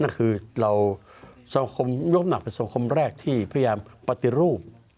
นั่นคือหยุดหนักเป็นสมโคมแรกที่พยายามปฏิรูป